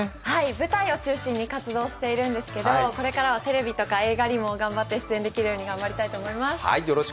舞台を中心に活動しているんですけれども、これからはテレビとか映画にも頑張って出演できるようにしたいと思います。